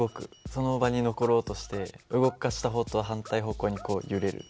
その場に残ろうとして動かした方とは反対方向にこう揺れる。